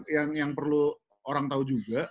yang yang perlu orang tau juga